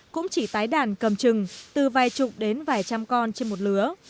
cũng chỉ tái đàn cầm chừng từ vài chục đến vài trăm con trên một lứa